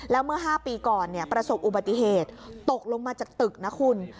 แล้วเมื่อ๕ปีก่อนประสบอุบัติเหตุตกลงมาจากตึกนะคุณ